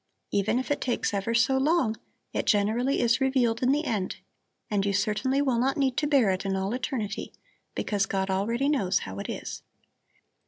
Even if it takes ever so long, it generally is revealed in the end, and you certainly will not need to bear it in all eternity, because God already knows how it is."